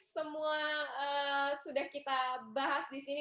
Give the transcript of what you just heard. semua sudah kita bahas di sini